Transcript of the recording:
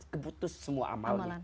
terputus semua amalnya